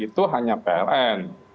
itu hanya pln